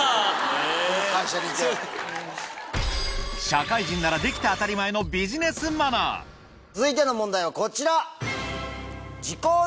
社会人ならできて当たり前のビジネスマナー続いての問題はこちら！